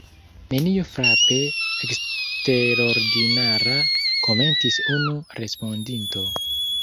Nenio frape eksterordinara, komentis unu respondinto.